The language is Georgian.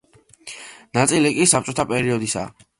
ნაწილი კი საბჭოთა პერიოდისაა.